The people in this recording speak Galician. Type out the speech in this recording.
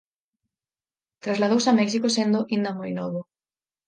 Trasladouse a México sendo aínda moi novo.